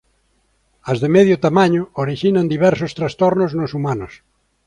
As de medio tamaño orixinan diversos trastornos nos humanos.